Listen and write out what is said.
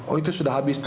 oh itu sudah habis